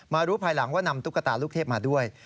รู้ภายหลังว่านำตุ๊กตาลูกเทพมาด้วย